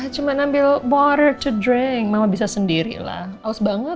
cuma ambil water to drink mama bisa sendiri lah haus banget